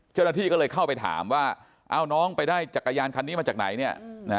เจ้าหน้าที่ก็เลยเข้าไปถามว่าเอาน้องไปได้จักรยานคันนี้มาจากไหนเนี่ย